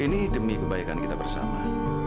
ini demi kebaikan kita bersama